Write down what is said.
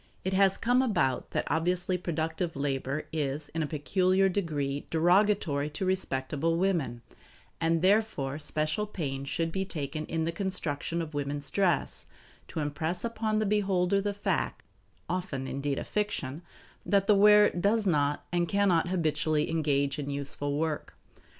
It has come about that obviously productive labor is in a peculiar degree derogatory to respectable women, and therefore special pains should be taken in the construction of women's dress, to impress upon the beholder the fact (often indeed a fiction) that the wearer does not and can not habitually engage in useful work.